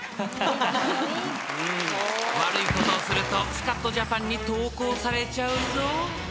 ［悪いことをすると『スカッとジャパン』に投稿されちゃうぞ］